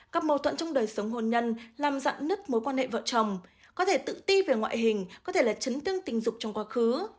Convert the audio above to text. các mâu thuẫn trong đời sống hôn nhân làm dặn nứt mối quan hệ vợ chồng có thể tự ti về ngoại hình có thể là chấn thương tình dục trong quá khứ